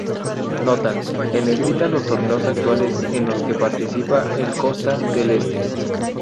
Nota: En negrita los torneos actuales en los que participa el Costa Del Este.